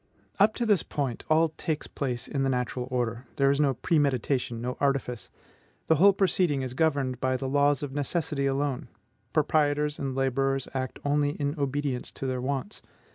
Up to this point, all takes place in the natural order; there is no premeditation, no artifice. The whole proceeding is governed by the laws of necessity alone. Proprietors and laborers act only in obedience to their wants.